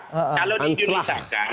kalau di dunia sekarang